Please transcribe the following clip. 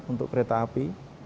untuk kereta api